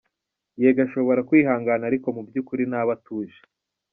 Yego ashobora kwihangana ariko mu by’ukuri ntaba atuje!.